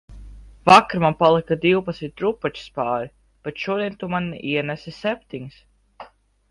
Vakar man palika divpadsmit drupačas pāri, bet šodien tu man ienesi septiņas